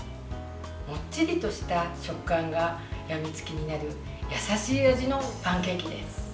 もっちりとした食感がやみつきになる優しい味のパンケーキです。